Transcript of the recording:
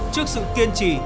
trước sự kiên trì